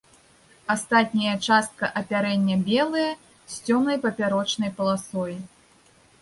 Астатняя частка апярэння белая з цёмнай папярочнай паласой.